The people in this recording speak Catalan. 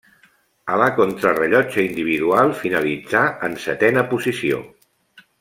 A la contrarellotge individual finalitzà en setena posició.